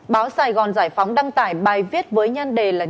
báo sài gòn giải phóng đăng tải bài viết với nhan đề là